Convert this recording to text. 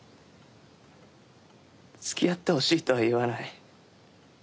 つきあってほしいとは言わない。